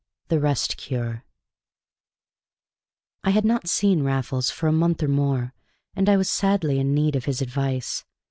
The Rest Cure I had not seen Raffles for a month or more, and I was sadly in need of his advice.